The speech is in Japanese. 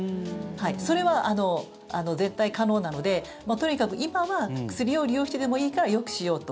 それは絶対可能なのでとにかく今は薬を利用してでもいいからよくしようと。